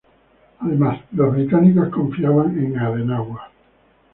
Además, los británicos confiaban en Adenauer.